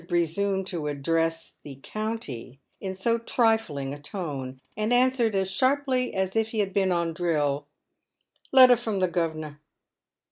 presume to address the " county" in so trifling a tone, and answered as sharply as if he had been on drill —" Letter from the guv'nor."